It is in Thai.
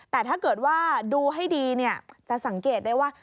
แต่ถ้าเกิดว่าดูให้ดีจะสังเกตได้ว่า